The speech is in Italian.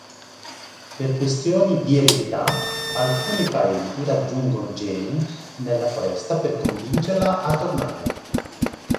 Per questioni di eredità alcuni parenti raggiungono Jane nella foresta per convincerla a tornare.